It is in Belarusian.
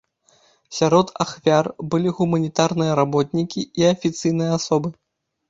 Сярод ахвяр былі гуманітарныя работнікі і афіцыйныя асобы.